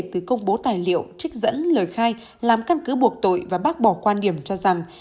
từ công bố tài liệu trích dẫn lời khai làm căn cứ buộc tội và bác bỏ quan điểm cho rằng